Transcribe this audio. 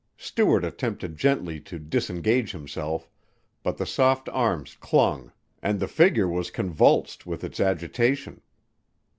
Stuart attempted gently to disengage himself, but the soft arms clung and the figure was convulsed with its agitation.